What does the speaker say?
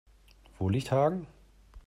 Wo liegt Hagen?